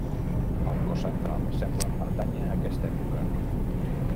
El cos central sembla pertànyer a aquesta època.